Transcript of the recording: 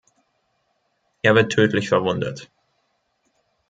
Er wird tödlich verwundet.